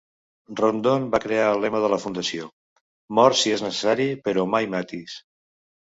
Rondon va crear el lema de la fundació: Mor si és necessari, però mai matis.